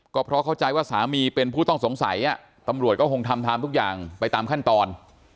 ก็เพราะเข้าใจว่าสามีเป็นผู้ต้องสงสัยตำรวจก็คงทำทุกอย่างไปตามขั้นตอน